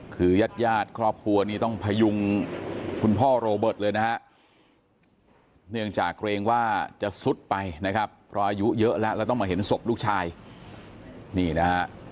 คือญาติญาติครอบครัวนี้ต้องพยุงคุณพ่อโรเบิร์ตเลยนะฮะเนื่องจากเกรงว่าจะซุดไปนะครับเพราะอายุเยอะแล้วแล้วต้องมาเห็นศพลูกชายนี่นะฮะ